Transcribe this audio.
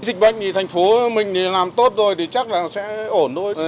dịch bệnh thì thành phố mình làm tốt rồi thì chắc là sẽ ổn thôi